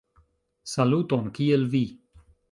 Saluton, kiel vi?